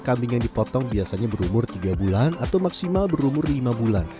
kambing yang dipotong biasanya berumur tiga bulan atau maksimal berumur lima bulan